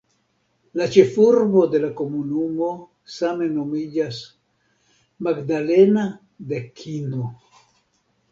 La ĉefurbo de la komunumo same nomiĝas "Magdalena de Kino".